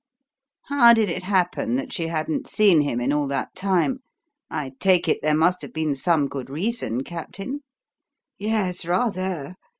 "How did it happen that she hadn't seen him in all that time? I take it there must have been some good reason, Captain?" "Yes, rather.